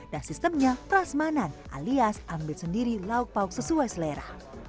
dan sistemnya transmanan alias ambil sendiri lauk pauk sesuai selera